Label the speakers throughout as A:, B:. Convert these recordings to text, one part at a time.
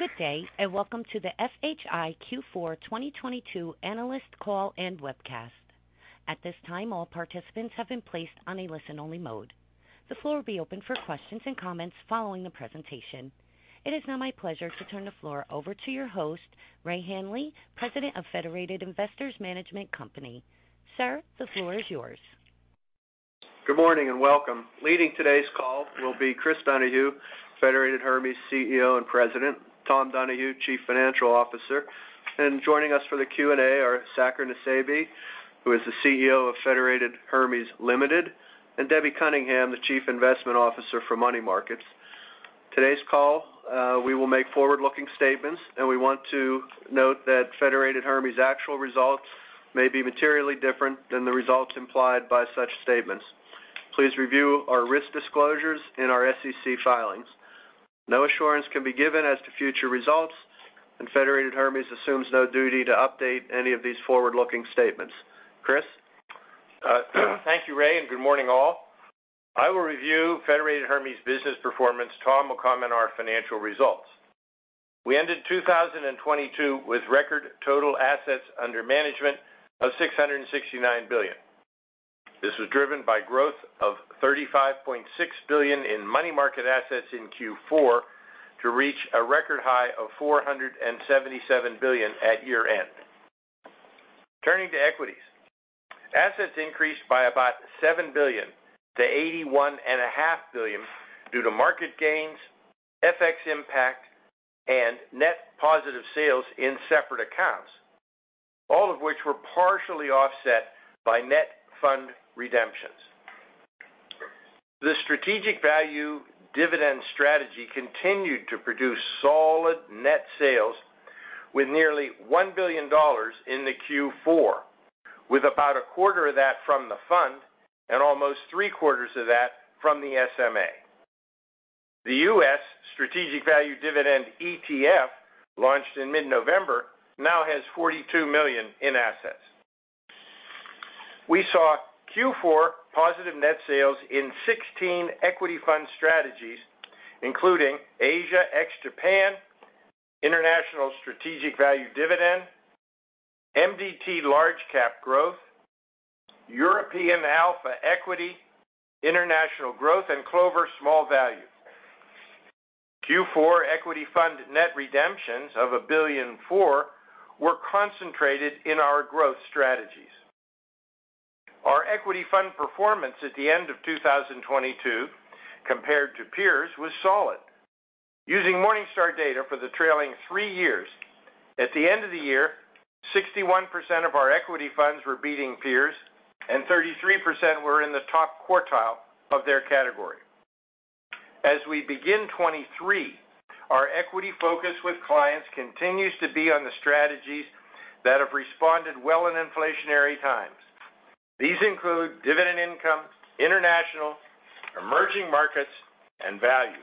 A: Good day, and welcome to the FHI Q4 2022 Analyst Call and Webcast. At this time, all participants have been placed on a listen-only mode. The floor will be open for questions and comments following the presentation. It is now my pleasure to turn the floor over to your host, Ray Hanley, President of Federated Investors Management Company. Sir, the floor is yours.
B: Good morning and welcome. Leading today's call will be Chris Donohue, Federated Hermes CEO and President, Tom Donohue, Chief Financial Officer. Joining us for the Q&A are Saker Nusseibeh, who is the CEO of Federated Hermes Limited, and Debbie Cunningham, the Chief Investment Officer for Money Markets. Today's call, we will make forward-looking statements. We want to note that Federated Hermes actual results may be materially different than the results implied by such statements. Please review our risk disclosures and our SEC filings. No assurance can be given as to future results. Federated Hermes assumes no duty to update any of these forward-looking statements. Chris.
C: Thank you, Ray. Good morning, all. I will review Federated Hermes business performance. Tom will comment on our financial results. We ended 2022 with record total assets under management of $669 billion. This was driven by growth of $35.6 billion in money market assets in Q4 to reach a record high of $477 billion at year-end. Turning to equities. Assets increased by about $7 billion to $81.5 billion due to market gains, FX impact, net positive sales in separate accounts, all of which were partially offset by net fund redemptions. The Strategic Value Dividend strategy continued to produce solid net sales with nearly $1 billion in the Q4, with about a quarter of that from the fund and almost three-quarters of that from the SMA. The U.S. Strategic Value Dividend ETF, launched in mid-November, now has $42 million in assets. We saw Q4 positive net sales in 16 equity fund strategies, including Asia ex-Japan, International Strategic Value Dividend, MDT Large Cap Growth, European Alpha Equity, International Growth, and Clover Small Value. Q4 equity fund net redemptions of $1.4 billion were concentrated in our growth strategies. Our equity fund performance at the end of 2022, compared to peers, was solid. Using Morningstar data for the trailing three years, at the end of the year, 61% of our equity funds were beating peers, and 33% were in the top quartile of their category. We begin 2023, our equity focus with clients continues to be on the strategies that have responded well in inflationary times. These include dividend income, international, emerging markets, and value.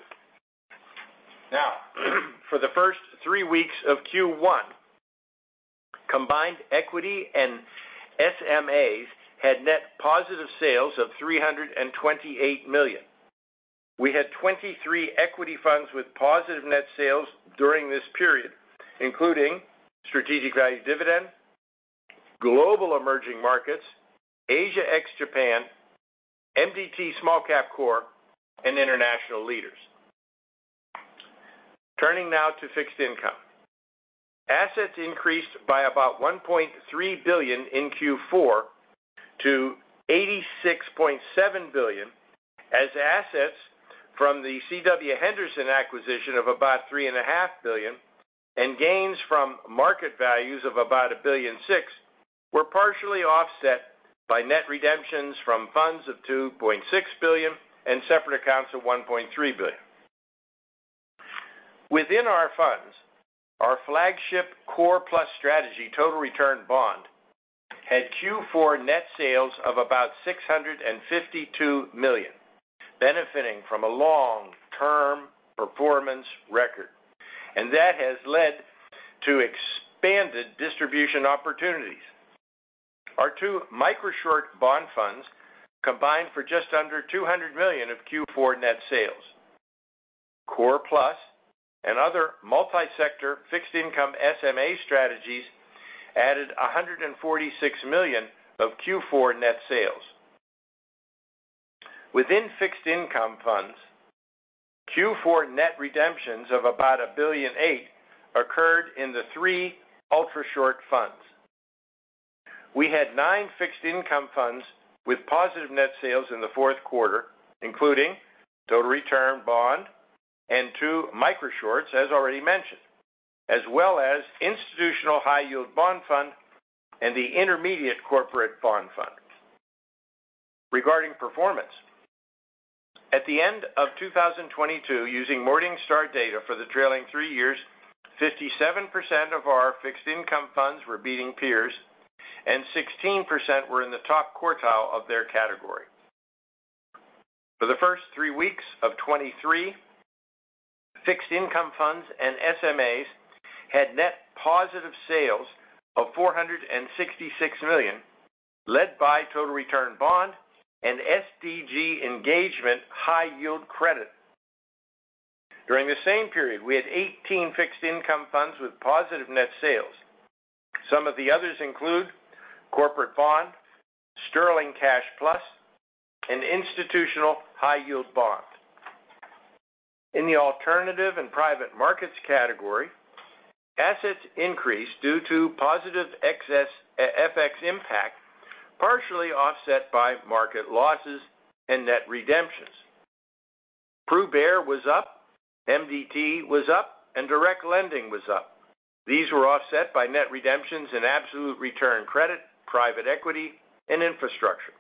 C: For the first 3 weeks of Q1, combined equity and SMAs had net positive sales of $328 million. We had 23 equity funds with positive net sales during this period, including Strategic Value Dividend, Global Emerging Markets, Asia ex-Japan, MDT Small Cap Core, and International Leaders. Turning now to fixed income. Assets increased by about $1.3 billion in Q4 to $86.7 billion, as assets from the C.W. Henderson acquisition of about three and a half billion and gains from market values of about $1 billion and 6 were partially offset by net redemptions from funds of $2.6 billion and separate accounts of $1.3 billion. Within our funds, our flagship Core Plus strategy Total Return Bond had Q4 net sales of about $652 million, benefiting from a long-term performance record, and that has led to expanded distribution opportunities. Our two Microshort bond funds combined for just under $200 million of Q4 net sales. Core Plus and other multi-sector fixed income SMA strategies added $146 million of Q4 net sales. Within fixed income funds, Q4 net redemptions of about $1,000,000,008 occurred in the three Ultrashort funds. We had nine fixed income funds with positive net sales in the fourth quarter, including Total Return Bond and two Micro Shorts, as already mentioned, as well as Institutional High Yield Bond Fund and the Intermediate Corporate Bond Fund. Regarding performance, at the end of 2022, using Morningstar data for the trailing 3 years, 57% of our fixed income funds were beating peers, and 16% were in the top quartile of their category. For the first 3 weeks of 2023, fixed income funds and SMAs had net positive sales of $466 million, led by Total Return Bond and SDG Engagement High Yield Credit. During the same period, we had 18 fixed income funds with positive net sales. Some of the others include Corporate Bond, Sterling Cash Plus, and Institutional High Yield Bond. In the alternative and private markets category, assets increased due to positive excess FX impact, partially offset by market losses and net redemptions. Pru-Lev was up, MDT was up, and direct lending was up. These were offset by net redemptions in absolute return credit, private equity, and infrastructure.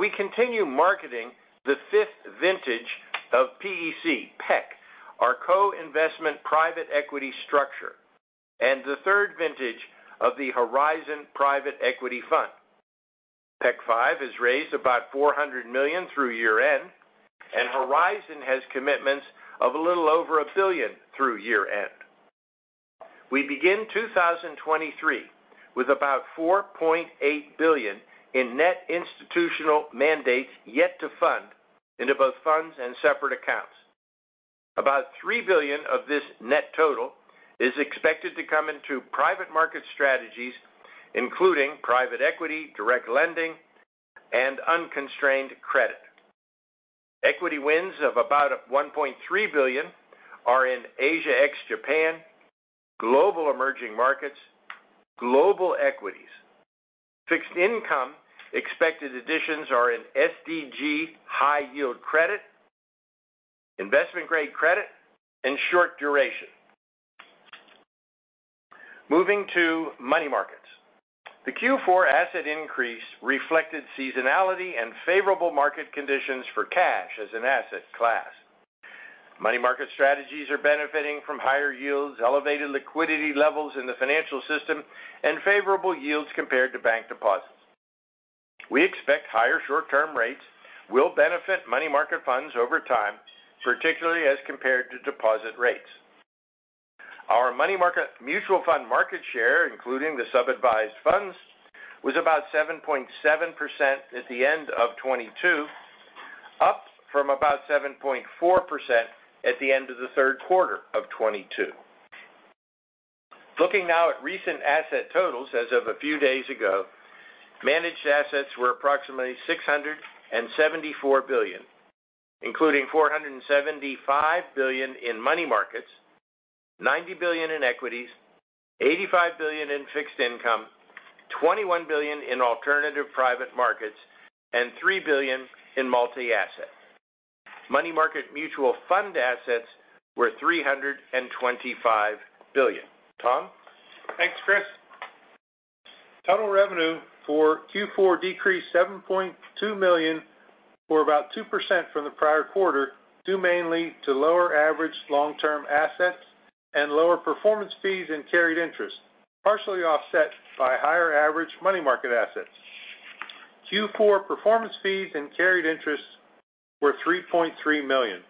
C: We continue marketing the 5th vintage of PEC, our co-investment private equity structure, and the 3rd vintage of the Horizon Private Equity Fund. PEC V has raised about $400 million through year-end, Horizon has commitments of a little over $1 billion through year-end. We begin 2023 with about $4.8 billion in net institutional mandates yet to fund into both funds and separate accounts. About $3 billion of this net total is expected to come into private market strategies, including private equity, direct lending, and unconstrained credit. Equity wins of about $1.3 billion are in Asia ex-Japan, global emerging markets, global equities. Fixed income expected additions are in SDG high-yield credit, investment-grade credit, and short duration. Moving to money markets. The Q4 asset increase reflected seasonality and favorable market conditions for cash as an asset class. Money market strategies are benefiting from higher yields, elevated liquidity levels in the financial system, and favorable yields compared to bank deposits. We expect higher short-term rates will benefit money market funds over time, particularly as compared to deposit rates. Our money market mutual fund market share, including the sub-advised funds, was about 7.7% at the end of 2022, up from about 7.4% at the end of the third quarter of 2022. Looking now at recent asset totals as of a few days ago, managed assets were approximately $674 billion, including $475 billion in money markets, $90 billion in equities, $85 billion in fixed income, $21 billion in alternative private markets, and $3 billion in multi-asset. Money market mutual fund assets were $325 billion. Tom?
D: Thanks, Chris. Total revenue for Q4 decreased $7.2 million, or about 2% from the prior quarter, due mainly to lower average long-term assets and lower performance fees and carried interest, partially offset by higher average money market assets. Q4 performance fees and carried interests were $3.3 million.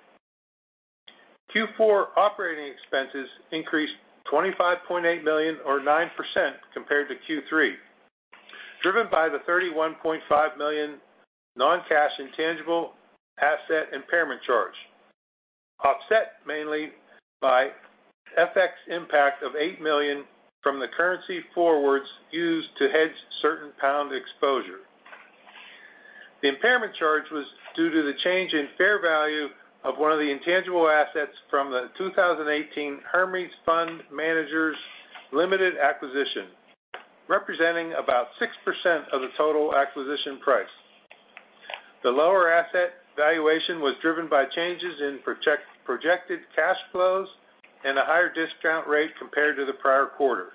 D: Q4 operating expenses increased $25.8 million or 9% compared to Q3, driven by the $31.5 million non-cash intangible asset impairment charge, offset mainly by FX impact of $8 million from the currency forwards used to hedge certain GBP exposure. The impairment charge was due to the change in fair value of one of the intangible assets from the 2018 Hermes Fund Managers Limited acquisition, representing about 6% of the total acquisition price. The lower asset valuation was driven by changes in projected cash flows and a higher discount rate compared to the prior quarter.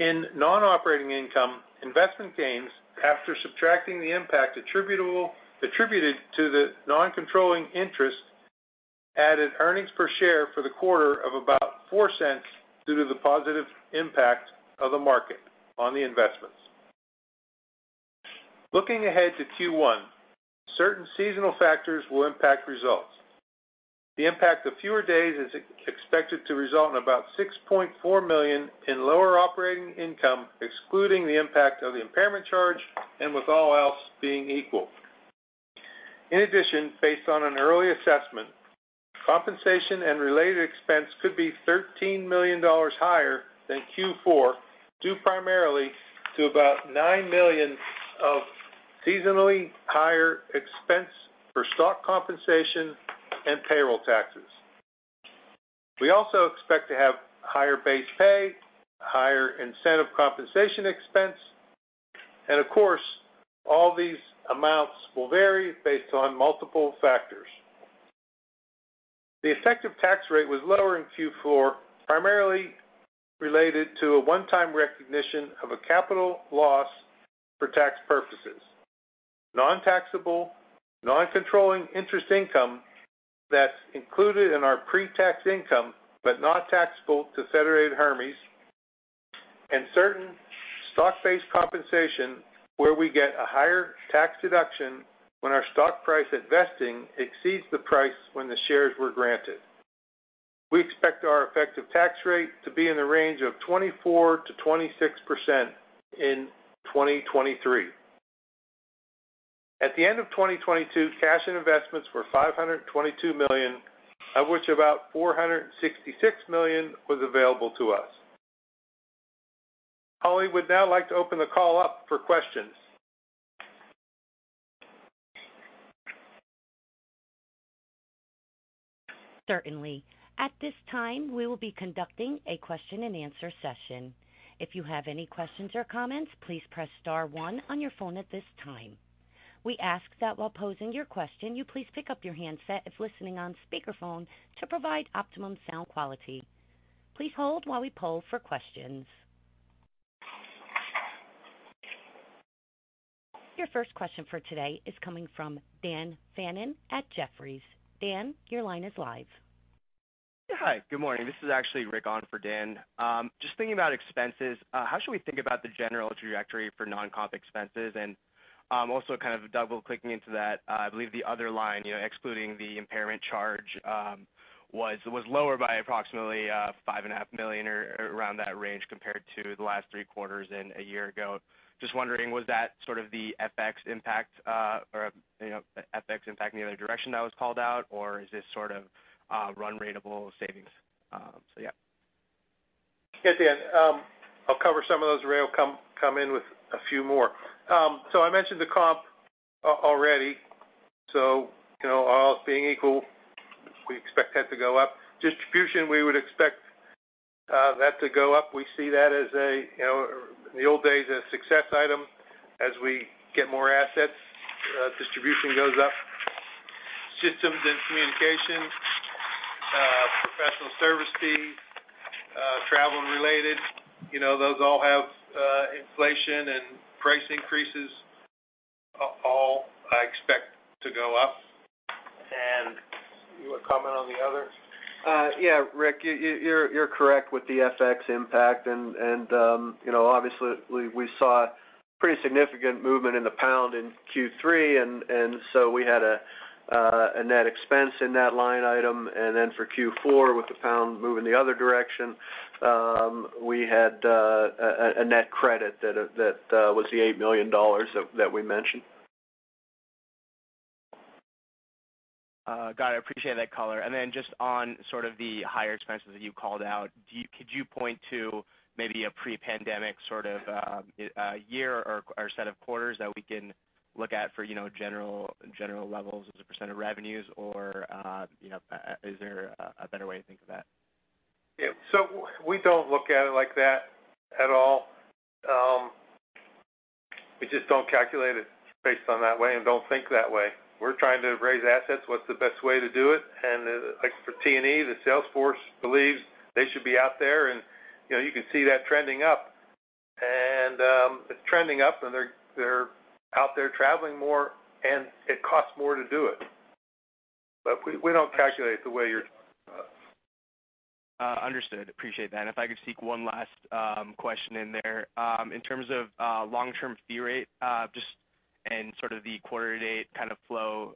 D: In non-operating income, investment gains after subtracting the impact attributed to the non-controlling interest, added earnings per share for the quarter of about $0.04 due to the positive impact of the market on the investments. Looking ahead to Q1, certain seasonal factors will impact results. The impact of fewer days is expected to result in about $6.4 million in lower operating income, excluding the impact of the impairment charge and with all else being equal. Based on an early assessment, compensation and related expense could be $13 million higher than Q4, due primarily to about $9 million of seasonally higher expense for stock compensation and payroll taxes. We also expect to have higher base pay, higher incentive compensation expense, and of course, all these amounts will vary based on multiple factors. The effective tax rate was lower in Q4, primarily related to a one-time recognition of a capital loss for tax purposes. Non-taxable, non-controlling interest income that's included in our pre-tax income, but not taxable to Federated Hermes, and certain stock-based compensation where we get a higher tax deduction when our stock price at vesting exceeds the price when the shares were granted. We expect our effective tax rate to be in the range of 24%-26% in 2023. At the end of 2022, cash and investments were $522 million, of which about $466 million was available to us. Holly would now like to open the call up for questions.
A: Certainly. At this time, we will be conducting a question-and-answer session. If you have any questions or comments, please press star one on your phone at this time. We ask that while posing your question, you please pick up your handset if listening on speakerphone to provide optimum sound quality. Please hold while we poll for questions. Your first question for today is coming from Dan Fannon at Jefferies. Dan, your line is live.
E: Hi. Good morning. This is actually Rick on for Dan. Just thinking about expenses, how should we think about the general trajectory for non-comp expenses? Also kind of double-clicking into that, I believe the other line, you know, excluding the impairment charge, was lower by approximately $5.5 million or around that range compared to the last 3 quarters and a year ago. Just wondering, was that sort of the FX impact, or, you know, FX impact in the other direction that was called out, or is this sort of, run ratable savings? Yeah.
D: Yeah, Dan. I'll cover some of those. Ray will come in with a few more. I mentioned the comp already. You know, all else being equal, we expect that to go up. Distribution, we would expect that to go up. We see that as a, you know, in the old days, a success item. As we get more assets, distribution goes up. Systems and communication, professional service fees, travel-related, you know, those all have inflation and price increases. All I expect to go up. You want to comment on the other?
B: Yeah, Rick, you're correct with the FX impact. you know, obviously we saw pretty significant movement in the pound in Q3, and so we had a net expense in that line item. Then for Q4, with the pound moving the other direction, we had a net credit that was the $8 million that we mentioned.
E: Got it. I appreciate that color. Just on sort of the higher expenses that you called out, could you point to maybe a pre-pandemic sort of year or set of quarters that we can look at for, you know, general levels as a % of revenues, or, you know, is there a better way to think of that?
D: Yeah. We don't look at it like that at all. We just don't calculate it based on that way and don't think that way. We're trying to raise assets. What's the best way to do it? Like, for T&E, the sales force believes they should be out there. You know, you can see that trending up. It's trending up, and they're out there traveling more, and it costs more to do it. We don't calculate it the way you're talking about.
E: Understood. Appreciate that. If I could sneak one last question in there. In terms of long-term fee rate, just, and sort of the quarter date kind of flow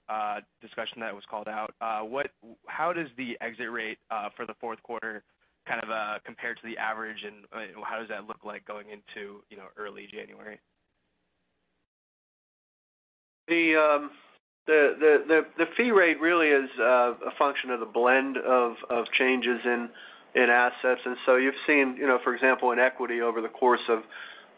E: discussion that was called out, how does the exit rate for the fourth quarter kind of compare to the average, and how does that look like going into, you know, early January?
B: The fee rate really is a function of the blend of changes in assets. You've seen, you know, for example, in equity over the course of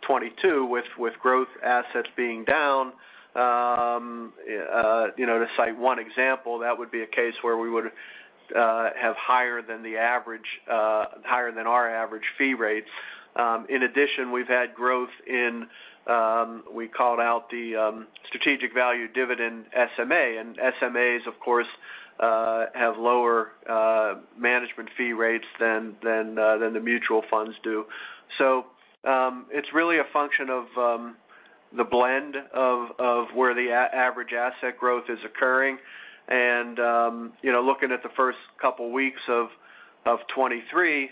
B: 22 with growth assets being down, you know, to cite one example, that would be a case where we would have higher than the average, higher than our average fee rates. In addition, we've had growth in, we called out the Strategic Value Dividend SMA. SMAs, of course, have lower management fee rates than the mutual funds do. It's really a function of the blend of where the average asset growth is occurring. You know, looking at the first couple weeks of 23,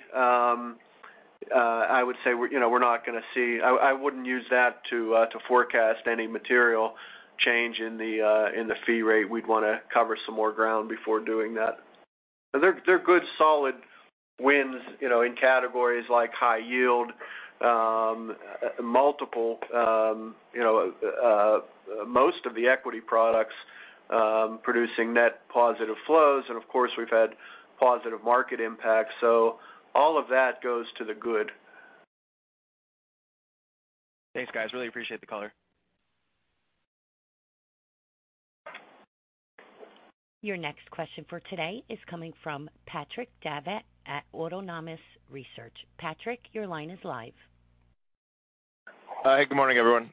B: I would say I wouldn't use that to forecast any material change in the fee rate. We'd wanna cover some more ground before doing that. They're good, solid wins, you know, in categories like high yield, multiple, you know, most of the equity products producing net positive flows. Of course, we've had positive market impact. All of that goes to the good.
F: Thanks, guys. Really appreciate the color.
A: Your next question for today is coming from Patrick Davitt at Autonomous Research. Patrick, your line is live.
G: Hi. Good morning, everyone.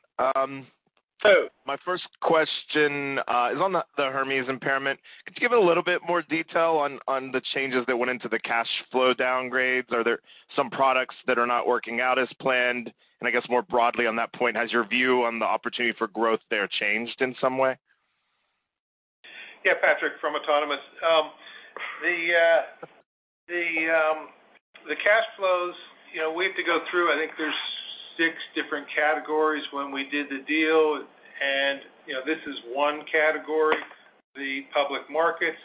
G: My first question is on the Hermes impairment. Could you give a little bit more detail on the changes that went into the cash flow downgrades? Are there some products that are not working out as planned? I guess more broadly on that point, has your view on the opportunity for growth there changed in some way?
D: Yeah, Patrick from Autonomous. The cash flows, you know, we have to go through, I think there's six different categories when we did the deal. You know, this is one category, the public markets.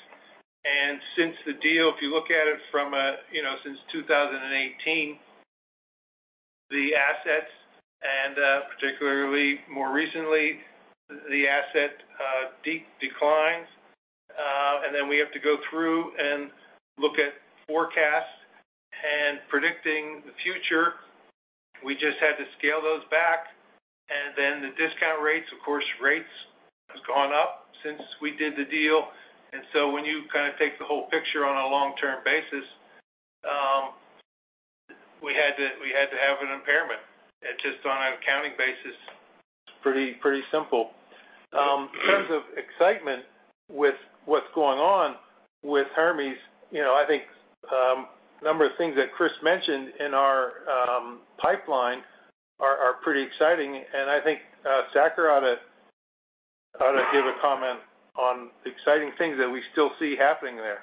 D: Since the deal, if you look at it from a, you know, since 2018, the assets and particularly more recently, the asset declines. Then we have to go through and look at forecasts. Predicting the future, we just had to scale those back. Then the discount rates, of course, rates has gone up since we did the deal. When you kind of take the whole picture on a long-term basis, we had to have an impairment. It's just on an accounting basis, pretty simple. In terms of excitement with what's going on with Hermes, you know, I think a number of things that Chris mentioned in our pipeline are pretty exciting. I think Saker ought to give a comment on the exciting things that we still see happening there.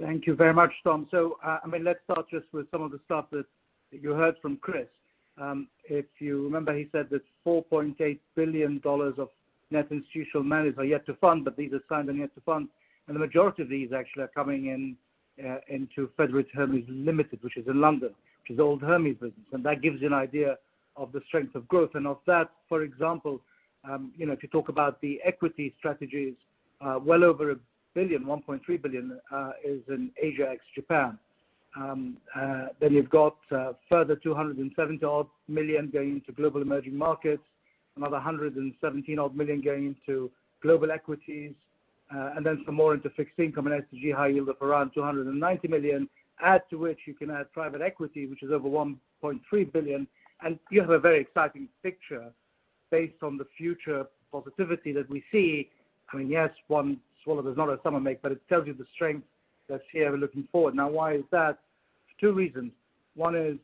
H: Thank you very much, Tom. I mean, let's start just with some of the stuff that you heard from Chris. If you remember, he said that $4.8 billion of net institutional manage are yet to fund, but these are signed and yet to fund. The majority of these actually are coming in into Federated Hermes Limited, which is in London, which is the old Hermes business. That gives you an idea of the strength of growth. Of that, for example, you know, if you talk about the equity strategies, well over a billion, $1.3 billion, is in Asia ex-Japan. You've got further $270 million going into global emerging markets, another $117 million going into global equities, and then some more into fixed income and SDG high yield of around $290 million. Add to which you can add private equity, which is over $1.3 billion. You have a very exciting picture based on the future positivity that we see. I mean, yes, one swallow does not a summer make, but it tells you the strength that's here looking forward. Now, why is that? Two reasons. One is,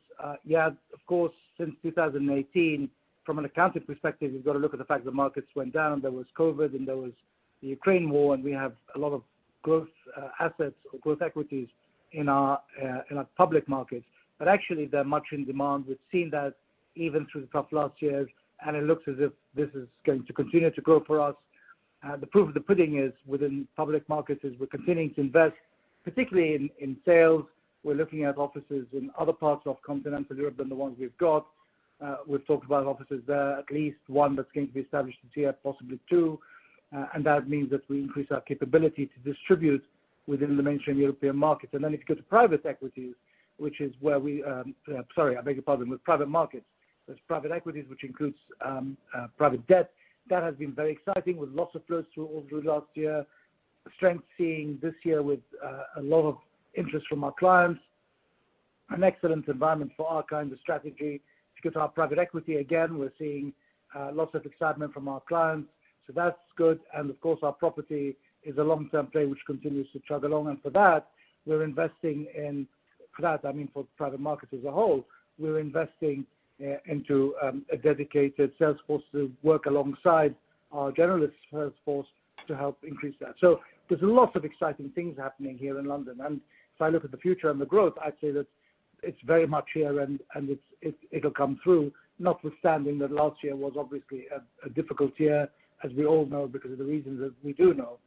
H: yeah, of course, since 2018, from an accounting perspective, you've got to look at the fact the markets went down, there was COVID, and there was the Ukraine War, and we have a lot of growth assets or growth equities in our public markets. Actually, they're much in demand. We've seen that even through the tough last years, and it looks as if this is going to continue to grow for us. The proof of the pudding is within public markets is we're continuing to invest, particularly in sales. We're looking at offices in other parts of Continental Europe than the ones we've got. We've talked about offices there, at least 1 that's going to be established this year, possibly 2. That means that we increase our capability to distribute within the mainstream European market. If you go to private equities, which is where we. Sorry, I beg your pardon. With private markets, there's private equities, which includes private debt. That has been very exciting with lots of flows through all through last year. Strength, seeing this year with a lot of interest from our clients. An excellent environment for our kind of strategy. If you go to our private equity, again, we're seeing lots of excitement from our clients. That's good. Of course, our property is a long-term play which continues to chug along. For that, we're investing in...For that, I mean, for private markets as a whole, we're investing into a dedicated sales force to work alongside our generalist sales force to help increase that. There's lots of exciting things happening here in London. If I look at the future and the growth, I'd say that it's very much here and it's, it'll come through, notwithstanding that last year was obviously a difficult year, as we all know, because of the reasons that we do know.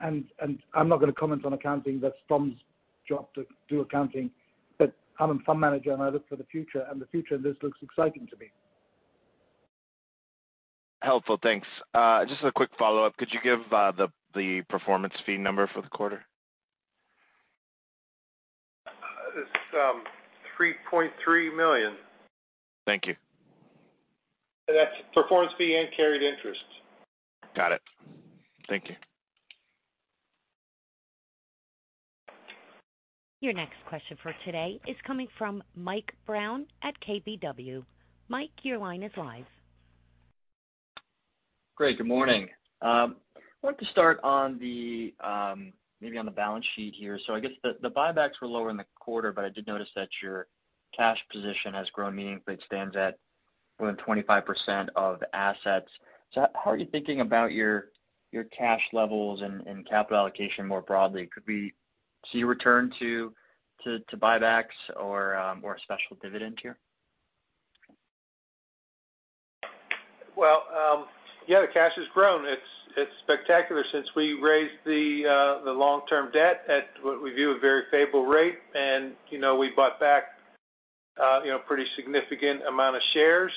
H: I'm not gonna comment on accounting. That's Tom's job to do accounting. I'm a fund manager, and I look for the future, and the future in this looks exciting to me.
I: Helpful. Thanks. Just a quick follow-up. Could you give the performance fee number for the quarter?
D: It's $3.3 million.
I: Thank you.
D: That's performance fee and carried interest.
I: Got it. Thank you.
A: Your next question for today is coming from Mike Brown at KBW. Mike, your line is live.
J: Great. Good morning. wanted to start on the, maybe on the balance sheet here. I guess the buybacks were lower in the quarter, but I did notice that your cash position has grown meaningfully. It stands at more than 25% of assets. How are you thinking about your cash levels and capital allocation more broadly? Could we see a return to buybacks or a special dividend here?
D: Yeah, the cash has grown. It's spectacular since we raised the long-term debt at what we view a very favorable rate. You know, we bought back, pretty significant amount of shares.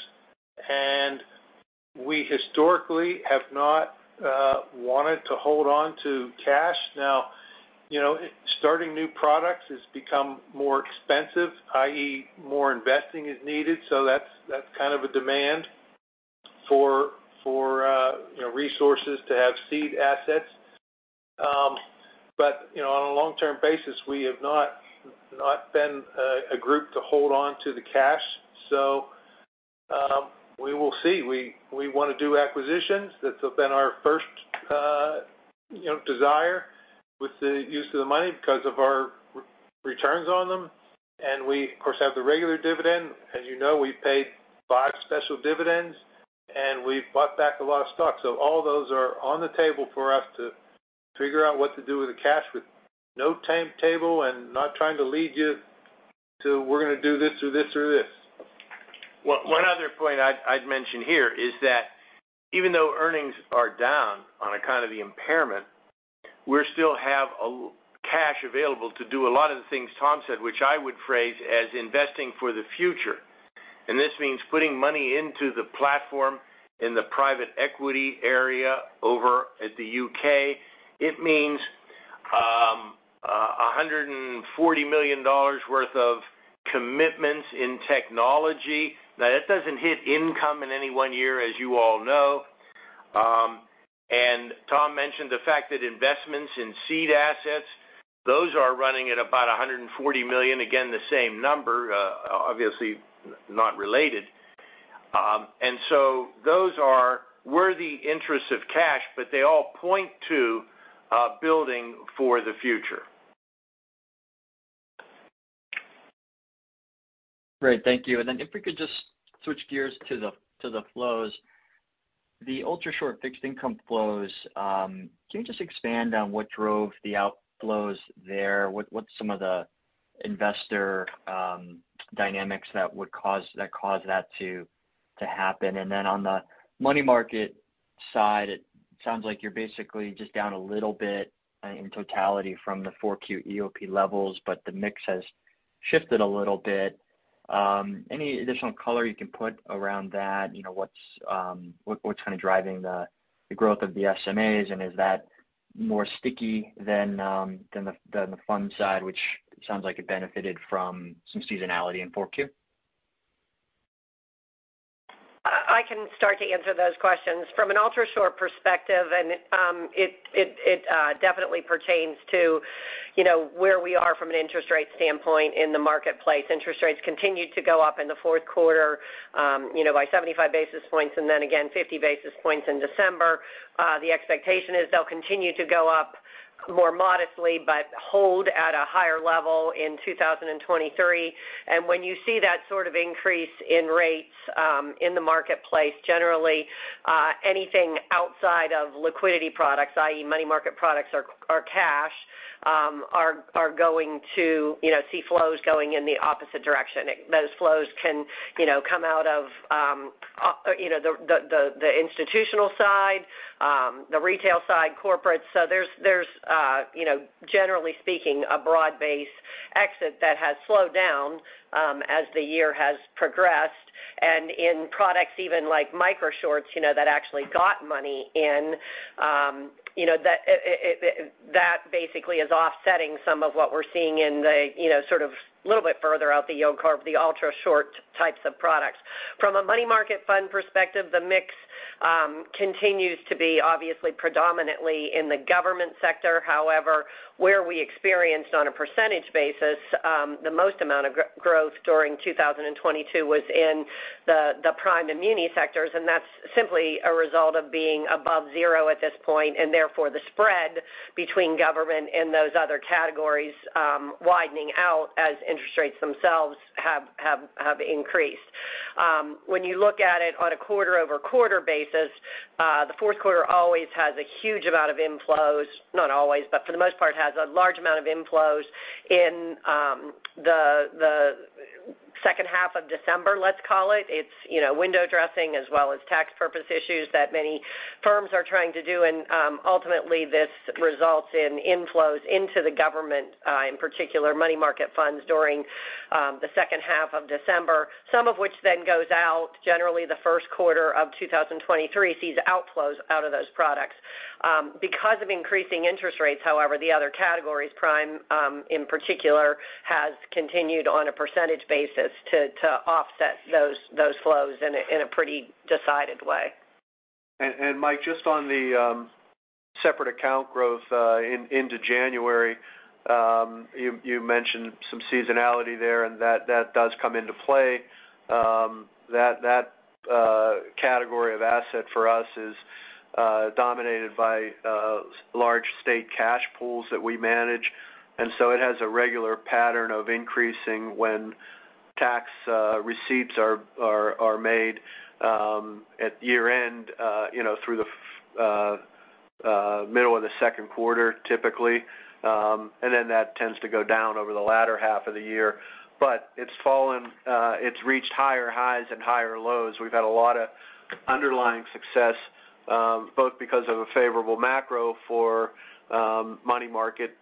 D: We historically have not wanted to hold on to cash. Now, you know, starting new products has become more expensive, i.e., more investing is needed. That's kind of a demand for, you know, resources to have seed assets. You know, on a long-term basis, we have not been a group to hold on to the cash. We will see. We wanna do acquisitions. That has been our first, you know, desire with the use of the money 'cause of our re-returns on them. We of course have the regular dividend. As you know, we paid five special dividends. We've bought back a lot of stock. All those are on the table for us to figure out what to do with the cash with no timetable and not trying to lead you to we're going to do this or this or this.
C: Well, one other point I'd mention here is that even though earnings are down on account of the impairment, we still have cash available to do a lot of the things Tom Donohue said, which I would phrase as investing for the future. This means putting money into the platform in the private equity area over at the U.K. It means $140 million worth of commitments in technology. That doesn't hit income in any one year, as you all know. Tom Donohue mentioned the fact that investments in seed assets, those are running at about $140 million. Again, the same number, obviously not related. So those are worthy interests of cash, but they all point to building for the future.
J: Great. Thank you. If we could just switch gears to the flows. The Ultrashort Fixed Income flows, can you just expand on what drove the outflows there? What's some of the investor dynamics that caused that to happen? On the money market side, it sounds like you're basically just down a little bit, in totality from the 4Q EOP levels, but the mix has shifted a little bit. Any additional color you can put around that? You know, what's kind of driving the growth of the SMAs, and is that more sticky than the fund side, which sounds like it benefited from some seasonality in 4Q?
K: I can start to answer those questions. From an Ultrashort perspective, and it definitely pertains to, you know, where we are from an interest rate standpoint in the marketplace. Interest rates continued to go up in the fourth quarter, you know, by 75 basis points and then again 50 basis points in December. The expectation is they'll continue to go up more modestly, but hold at a higher level in 2023. When you see that sort of increase in rates, in the marketplace, generally, anything outside of liquidity products, i.e., money market products or cash are going to, you know, see flows going in the opposite direction. Those flows can, you know, come out of, you know, the institutional side, the retail side, corporate. There's, you know, generally speaking, a broad-based exit that has slowed down as the year has progressed. In products even like micro shorts, you know, that actually got money in, that it that basically is offsetting some of what we're seeing in the, you know, sort of a little bit further out the yield curve, the Ultrashort types of products. From a money market fund perspective, the mix continues to be obviously predominantly in the government sector. However, where we experienced on a percentage basis, the most amount of growth during 2022 was in the prime and muni sectors, and that's simply a result of being above 0 at this point, and therefore the spread between government and those other categories, widening out as interest rates themselves have increased. When you look at it on a quarter-over-quarter basis, the fourth quarter always has a huge amount of inflows. Not always, but for the most part, has a large amount of inflows in the second half of December, let's call it. It's, you know, window dressing as well as tax purpose issues that many firms are trying to do. Ultimately, this results in inflows into the government, in particular, money market funds during the second half of December, some of which then goes out. Generally, the first quarter of 2023 sees outflows out of those products. Because of increasing interest rates, however, the other categories, prime, in particular, has continued on a percentage basis to offset those flows in a pretty decided way.
B: Mike, just on the separate account growth into January, you mentioned some seasonality there, and that does come into play. That category of asset for us is dominated by large state cash pools that we manage. It has a regular pattern of increasing when tax receipts are made at year-end, you know, through the middle of the second quarter, typically. That tends to go down over the latter half of the year. It's fallen. It's reached higher highs and higher lows. We've had a lot of underlying success, both because of a favorable macro for money market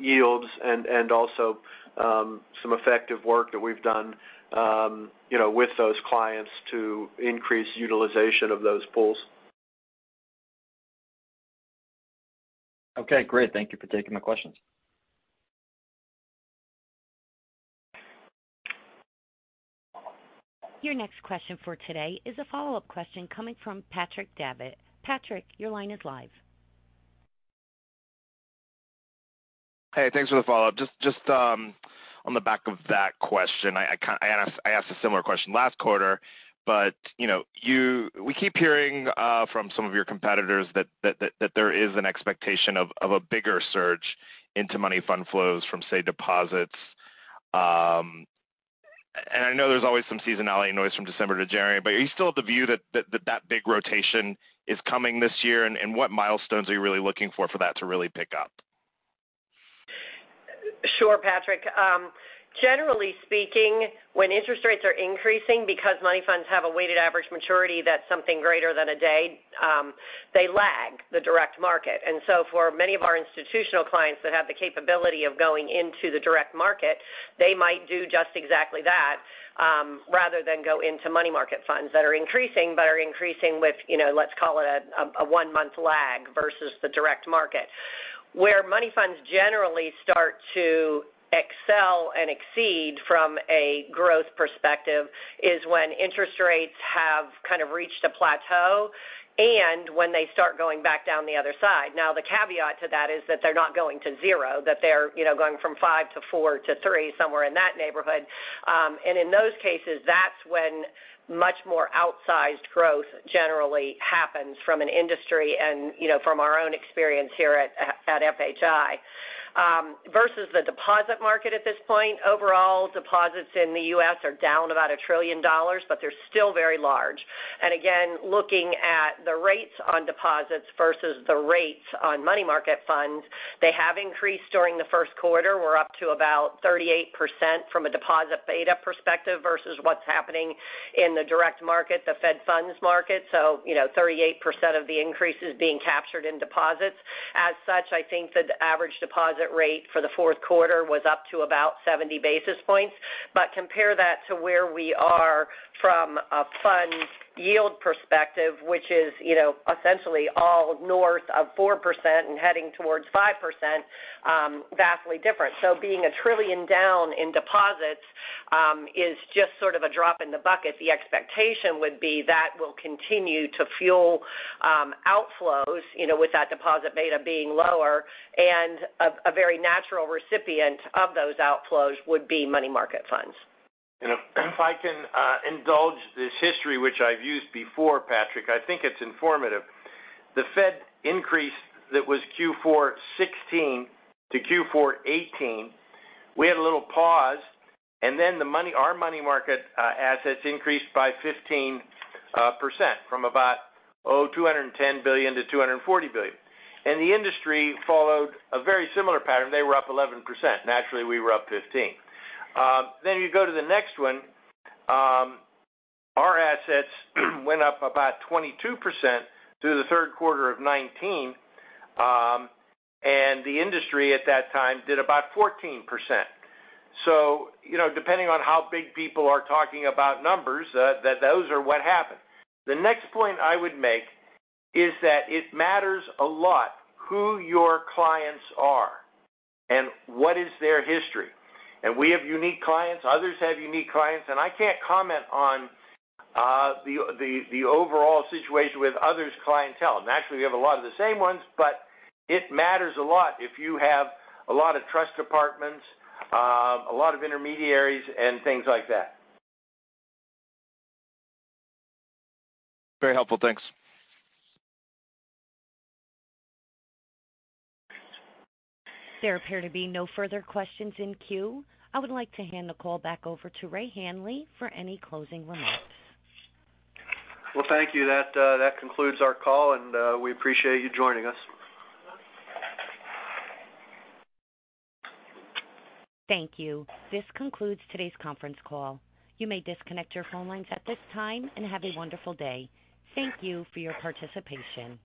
B: yields and also some effective work that we've done, you know, with those clients to increase utilization of those pools.
J: Okay, great. Thank you for taking my questions.
A: Your next question for today is a follow-up question coming from Patrick Davitt. Patrick, your line is live.
G: Hey, thanks for the follow-up. Just on the back of that question, I asked a similar question last quarter. You know, we keep hearing from some of your competitors that there is an expectation of a bigger surge into money fund flows from, say, deposits. I know there's always some seasonality noise from December to January, but are you still of the view that big rotation is coming this year? What milestones are you really looking for for that to really pick up?
K: Sure, Patrick. Generally speaking, when interest rates are increasing because money funds have a weighted average maturity, that's something greater than a day, they lag the direct market. For many of our institutional clients that have the capability of going into the direct market, they might do just exactly that, rather than go into money market funds that are increasing but are increasing with, you know, let's call it a 1-month lag versus the direct market. Money funds generally start to excel and exceed from a growth perspective is when interest rates have kind of reached a plateau and when they start going back down the other side. The caveat to that is that they're not going to zero, that they're, you know, going from 5 to 4 to 3, somewhere in that neighborhood. In those cases, that's when much more outsized growth generally happens from an industry and, you know, from our own experience here at FHI. Versus the deposit market at this point, overall deposits in the U.S. are down about $1 trillion, but they're still very large. Again, looking at the rates on deposits versus the rates on money market funds, they have increased during the first quarter. We're up to about 38% from a deposit beta perspective versus what's happening in the direct market, the Fed funds market. You know, 38% of the increase is being captured in deposits. As such, I think the average deposit rate for the fourth quarter was up to about 70 basis points. Compare that to where we are from a fund yield perspective, which is, you know, essentially all north of 4% and heading towards 5%, vastly different. Being $1 trillion down in deposits, is just sort of a drop in the bucket. The expectation would be that will continue to fuel outflows, you know, with that deposit beta being lower. A very natural recipient of those outflows would be money market funds.
C: If I can indulge this history, which I've used before, Patrick, I think it's informative. The Fed increase that was Q4 2016 to Q4 2018, we had a little pause, then our money market assets increased by 15% from about $210 billion to $240 billion. The industry followed a very similar pattern. They were up 11%. Naturally, we were up 15%. You go to the next one, our assets went up about 22% through the third quarter of 2019, and the industry at that time did about 14%. You know, depending on how big people are talking about numbers, those are what happened. The next point I would make is that it matters a lot who your clients are and what is their history. We have unique clients, others have unique clients, and I can't comment on the, the overall situation with others' clientele. Naturally, we have a lot of the same ones, but it matters a lot if you have a lot of trust departments, a lot of intermediaries and things like that.
G: Very helpful. Thanks.
A: There appear to be no further questions in queue. I would like to hand the call back over to Ray Hanley for any closing remarks.
B: Well, thank you. That concludes our call, and we appreciate you joining us.
A: Thank you. This concludes today's conference call. You may disconnect your phone lines at this time and have a wonderful day. Thank you for your participation.